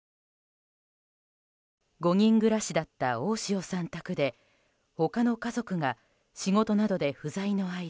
５人暮らしだった大塩さん宅で他の家族が、仕事などで不在の間